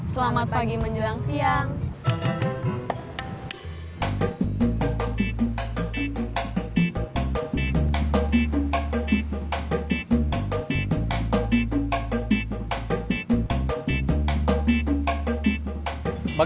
selamat pagi menjelang siang